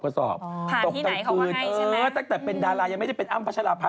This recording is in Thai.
ผ่านที่ไหนเขาก็ให้ใช่ไหมตกต่างคืนตั้งแต่เป็นดารายังไม่ได้เป็นอ้ำพัชราภาค